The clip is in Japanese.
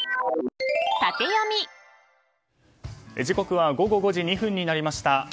時刻は午後５時２分になりました。